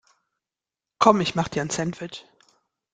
Komm ich mach dir ein Sandwich.